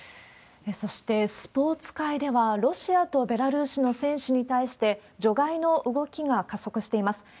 そして、スポーツ界ではロシアとベラルーシの選手に対して、除外の動きが加速しています。